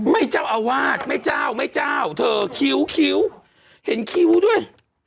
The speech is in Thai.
ไม่เจ้าอาวาสไม่เจ้าไม่เจ้าเธอคิ้วเห็นคิ้วด้วย